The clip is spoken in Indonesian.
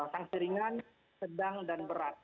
sanksi ringan sedang dan berat